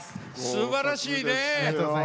すばらしいね！